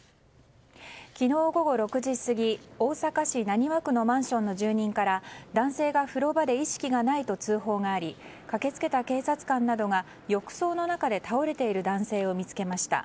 昨日午後６時過ぎ大阪市浪速区のマンションの住人から男性が風呂場で意識がないと通報があり駆け付けた警察官などが浴槽の中で倒れている男性を見つけました。